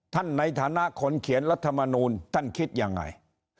ในฐานะคนเขียนรัฐมนูลท่านคิดยังไง